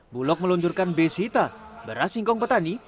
bulog meluncurkan besita beras singkong petani